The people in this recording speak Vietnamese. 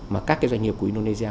mà các cái doanh nghiệp của indonesia